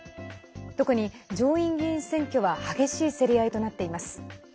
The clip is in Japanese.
特に、上院議員選挙は激しい競り合いとなっています。